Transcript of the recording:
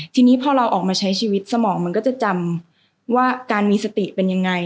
ทีนี้พอเราออกมาใช้ชีวิตสมองมันก็จะจำว่าการมีสติเป็นยังไง